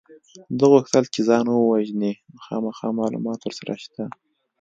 ده غوښتل چې ځان ووژني نو خامخا معلومات ورسره شته